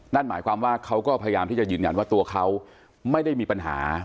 นั่นหมายความว่าเขาก็พยายามที่จะยืนยันว่าตัวเขาไม่ได้มีปัญหา